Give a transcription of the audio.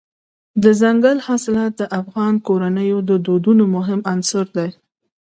دځنګل حاصلات د افغان کورنیو د دودونو مهم عنصر دی.